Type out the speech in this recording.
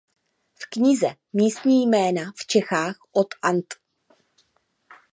V knize Místní jména v Čechách od Ant.